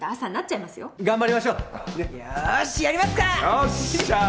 よっしゃあ！